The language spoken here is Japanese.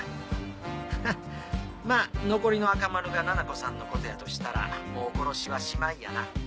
ハッまぁ残りの赤丸がななこさんのことやとしたらもう殺しはしまいやな。